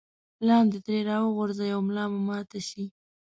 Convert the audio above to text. لاندې ترې راوغورځئ او ملا مو ماته شي.